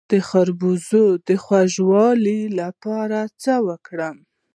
د خربوزو د خوږوالي لپاره څه وکړم؟